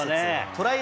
トライ